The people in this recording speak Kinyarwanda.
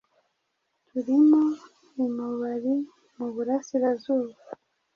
turimo i Mubari mu burasirazuba